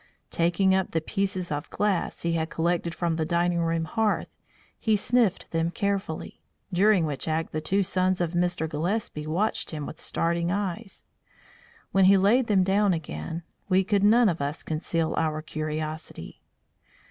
Taking up the pieces of glass he had collected from the dining room hearth, he sniffed them carefully, during which act the two sons of Mr. Gillespie watched him with starting eyes. When he laid them down again, we could none of us conceal our curiosity.